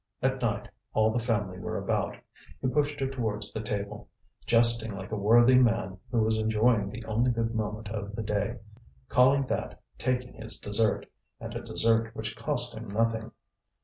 At night all the family were about. He pushed her towards the table, jesting like a worthy man who was enjoying the only good moment of the day, calling that taking his dessert, and a dessert which cost him nothing.